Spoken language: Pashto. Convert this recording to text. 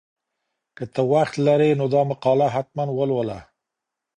که ته وخت لرې نو دا مقاله حتماً ولوله.